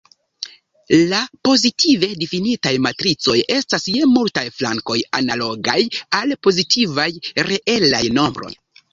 La pozitive difinitaj matricoj estas je multaj flankoj analogaj al pozitivaj reelaj nombroj.